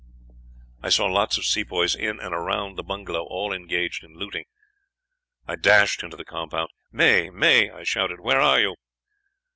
I saw lots of Sepoys in and around the bungalow, all engaged in looting. I dashed into the compound. "'May! May!' I shouted. 'Where are you?'